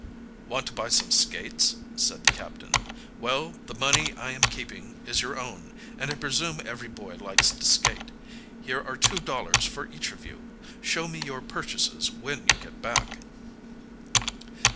"Want to buy some skates?" said the captain. "Well, the money I am keeping is your own, and I presume every boy likes to skate. Here are two dollars for each of you. Show me your purchases when you get back."